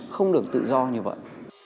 không được tự do như vậy